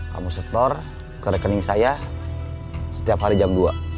kamu setor ke rekening saya setiap hari jam dua